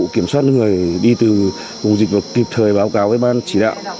kiểm soát người đi từ vùng dịch và kịp thời báo cáo với ban chỉ đạo